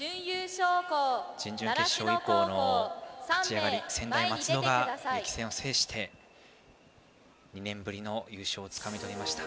準々決勝以降の勝ち上がり専大松戸が激戦を制して２年ぶりの優勝をつかみとりました。